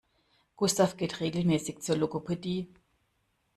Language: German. Gustav geht regelmäßig zur Logopädie.